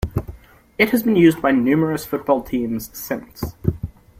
It has been used by numerous football teams since.